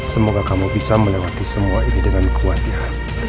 semoga kamu bisa melewati semua ini dengan kuat ya